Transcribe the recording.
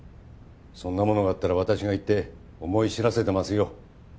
そんなものがあったら私が行って思い知らせてますよ。